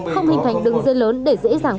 không hình thành đường dây lớn để dễ dàng